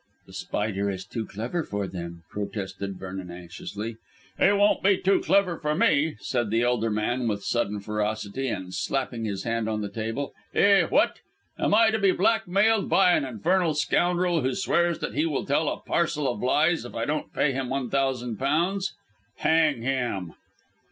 "The Spider is too clever for them," protested Vernon anxiously. "He won't be too clever for me," said the elder man with sudden ferocity, and slapping his hand on the table. "Eh, what? Am I to be blackmailed by an infernal scoundrel who swears that he will tell a parcel of lies if I don't pay him one thousand pounds. Hang him."